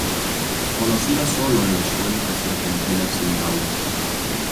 Conocida sólo en los suelos de serpentina en Zimbabue.